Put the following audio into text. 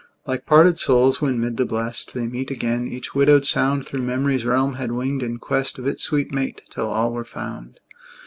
Like parted souls, when, mid the Blest They meet again, each widowed sound Thro' memory's realm had winged in quest Of its sweet mate, till all were found.